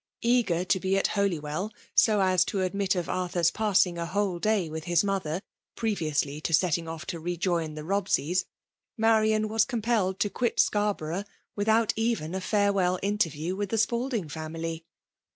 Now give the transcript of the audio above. Eager to be at Holywell so as to admit of i2 J 172 FEMALE D3MINAT10N. Arthur*s passing a \vhole day with his mother, previously to setting off to rejoin the Bobseys, Marian was compelled to quit Scarboroug^h without even a farewell interview with the Spalding family.